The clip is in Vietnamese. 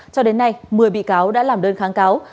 cho đến nay một mươi bị cáo đã làm đơn kháng cáo